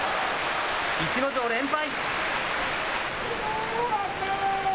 逸ノ城、連敗。